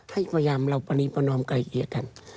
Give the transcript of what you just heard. ให้พยายามเราปรนิปนมไกลเกียจกัน